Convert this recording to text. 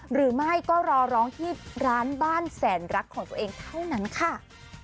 หรือไม่ก็รอร้องที่ร้านบ้านแสนรักของตัวเองเท่านั้นค่ะ